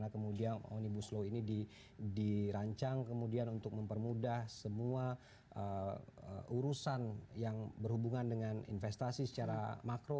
kemudian omnibus law ini dirancang kemudian untuk mempermudah semua urusan yang berhubungan dengan investasi secara makro